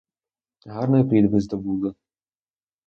Гарний плід ви здобули.